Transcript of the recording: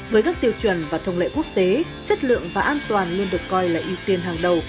với các tiêu chuẩn và thông lệ quốc tế chất lượng và an toàn nên được coi là ưu tiên hàng đầu